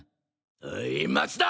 おい松田！